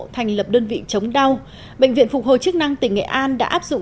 thành lập đơn vị chống đau bệnh viện phục hồi chức năng tỉnh nghệ an đã áp dụng